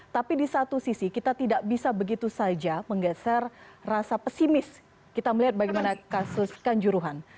tapi di satu sisi kita tidak bisa begitu saja menggeser rasa pesimis kita melihat bagaimana kasus kanjuruhan